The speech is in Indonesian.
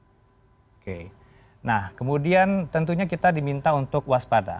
oke nah kemudian tentunya kita diminta untuk waspada